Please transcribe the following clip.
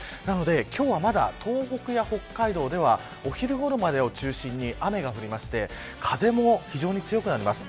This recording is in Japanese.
今日は、東北や北海道ではお昼ごろまでを中心に雨が降って風も非常に強くなります。